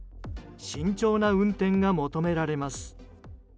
慎重な運転が求められます。